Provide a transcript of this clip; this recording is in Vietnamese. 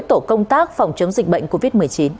tổ công tác phòng chống dịch bệnh covid một mươi chín